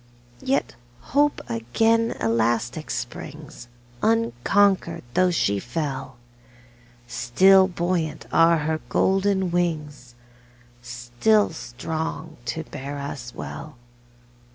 Yet Hope again elastic springs, Unconquered, though she fell; Still buoyant are her golden wings, Still strong to bear us well.